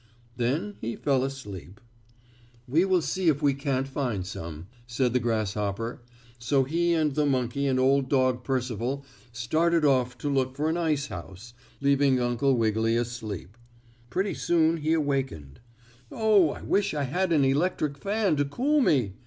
Then he fell asleep. "We will see if we can't find some," said the grasshopper, so he and the monkey and Old Dog Percival started off to look for an ice house, leaving Uncle Wiggily asleep. Pretty soon he awakened. "Oh, I wish I had an electric fan to cool me!"